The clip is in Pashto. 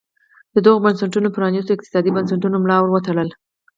دغو بنسټونو پرانیستو اقتصادي بنسټونو ملا ور وتړله.